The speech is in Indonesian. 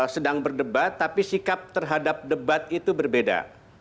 sedang berdebat tapi sikap terhadap debat itu berbeda